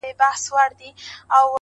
زه سم پء اور کړېږم ستا په محبت شېرينې ـ